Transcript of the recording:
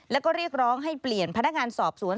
แล้วก็เรียกร้องให้เปลี่ยนพนักงานสอบสวน